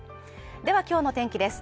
では今日の天気です